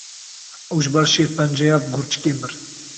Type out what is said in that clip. Ew ji ber şêrpenceya gurçikê mir.